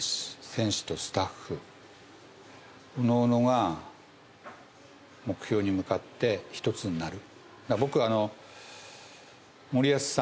選手とスタッフ各々が目標に向かってひとつになる。